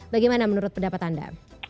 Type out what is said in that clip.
bagaimana menurut pendapat anda